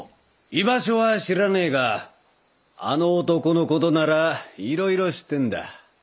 居場所は知らねえがあの男の事ならいろいろ知ってんだ。